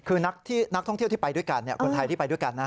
คือนักท่องเที่ยวที่ไปด้วยกันคนไทยที่ไปด้วยกันนะ